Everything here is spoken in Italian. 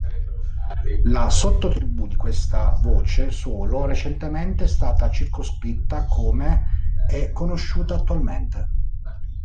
La sottotribù di questa voce solo recentemente è stata circoscritta come è conosciuta attualmente.